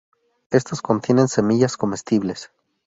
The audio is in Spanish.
Estos contienen semillas comestibles.